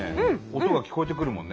音が聞こえてくるもんね。